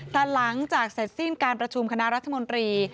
แต่หลังจากเสร็จสิ้นการประชุมคณะรัฐมนตรี